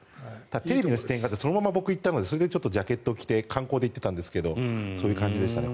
テレビの出演があって僕、そのまま行ったのでそれでちょっとジャケットを着て観光で行ってたんですけどそういう感じでしたね